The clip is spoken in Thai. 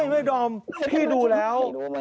ไม่พี่ดูแล้ว